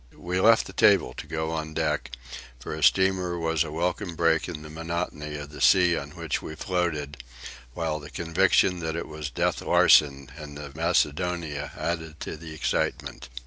We left the table to go on deck, for a steamer was a welcome break in the monotony of the sea on which we floated, while the conviction that it was Death Larsen and the Macedonia added to the excitement.